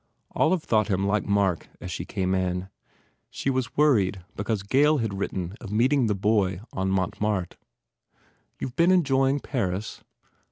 Olive thought him like Mark as she came in. She was worried because Gail had written of meeting the boy on Montmartre. "You ve been enjoying Paris